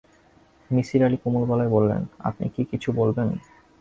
নিসার আলি কোমল গলায় বললেন, আপনি কি কিছু বলবেন?